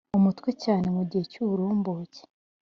umutwe cyane mugihe cyuburumbuke